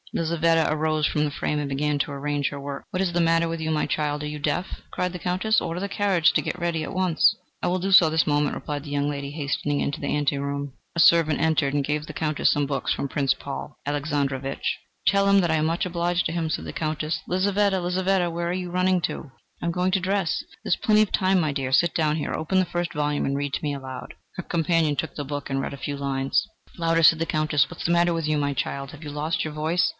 Lizaveta arose from the frame and began to arrange her work. "What is the matter with you, my child, are you deaf?" cried the Countess. "Order the carriage to be got ready at once." "I will do so this moment," replied the young lady, hastening into the ante room. A servant entered and gave the Countess some books from Prince Paul Aleksandrovich. "Tell him that I am much obliged to him," said the Countess. "Lizaveta! Lizaveta! Where are you running to?" "I am going to dress." "There is plenty of time, my dear. Sit down here. Open the first volume and read to me aloud." Her companion took the book and read a few lines. "Louder," said the Countess. "What is the matter with you, my child? Have you lost your voice?